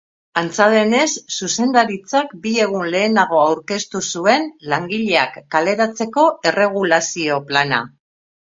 Antza denez, zuzendaritzak bi egun lehenago aurkeztu zuen langileak kaleratzeko erregulazio plana.